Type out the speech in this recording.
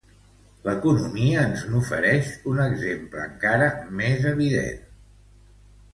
L'economia ens n'oferix un exemple encara més evident.